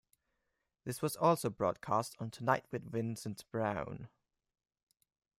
This was also broadcast on "Tonight with Vincent Browne".